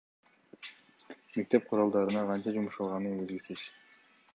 Мектеп куралдарына канча жумшалганы белгисиз.